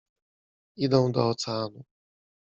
Idą do Oceanu.